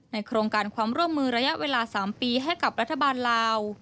โครงการความร่วมมือระยะเวลา๓ปีให้กับรัฐบาลลาว